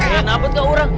kenapa tuh gak orang